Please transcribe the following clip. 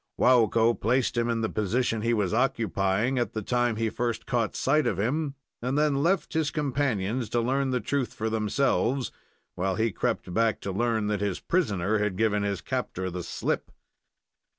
Waukko placed him in the position he was occupying at the time he first caught sight of him, and then left his companions to learn the truth for themselves, while he crept back to learn that his prisoner had given his captor the slip.